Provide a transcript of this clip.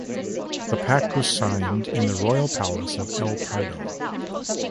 The pact was signed in the Royal Palace of El Pardo.